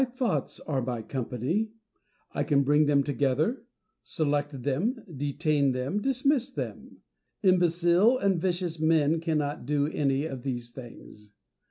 Diogenes. My thoughts are my company ; I can bring them together, select them, detain them, dismiss them. Imbecile and vicious men cannot do any of these things.